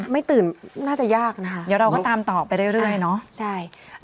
ไม่ตื่นน่าจะยากนะคะเดี๋ยวเราก็ตามต่อไปเรื่อยเนาะใช่